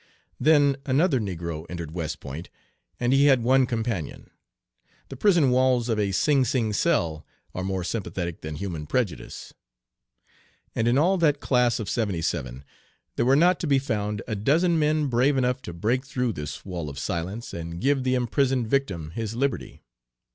Then another negro entered West Point, and he had one companion. The prison walls of a Sing Sing cell are more sympathetic than human prejudice. And in all that class of '77 there were not to be found a dozen men brave enough to break through this wall of silence and give the imprisoned victim his liberty.